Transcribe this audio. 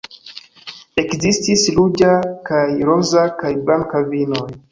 Ekzistis ruĝa kaj roza kaj blanka vinoj.